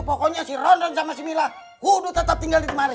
pokoknya si ronron sama si mila kudu tetap tinggal di temari